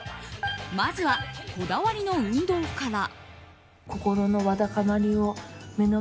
まずはこだわりの運動から。。